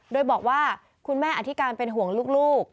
โดยบอกว่าคุณแม่อธิการเป็นห่วงลูก